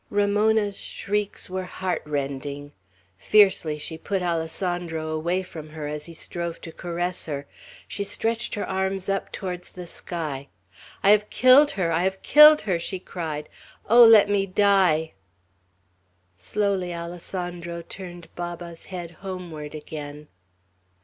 Ramona's shrieks were heart rending. Fiercely she put Alessandro away from her, as he strove to caress her. She stretched her arms up towards the sky. "I have killed her! I have killed her!" she cried. "Oh, let me die!" Slowly Alessandro turned Baba's head homeward again.